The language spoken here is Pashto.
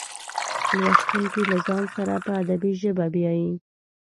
لوستونکي له ځان سره په ادبي ژبه بیایي.